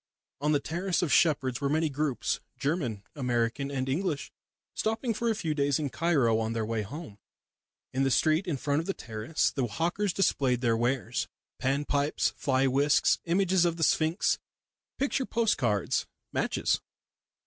On the terrace of Shepherd's were many groups, German, American and English, stopping for a few days in Cairo on their way home. In the street in front of the terrace the hawkers displayed their wares panpipes, fly whisks, images of the Sphinx, picture post cards, matches.